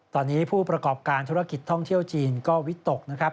ตอนนี้ผู้ประกอบการธุรกิจท่องเที่ยวจีนก็วิตกนะครับ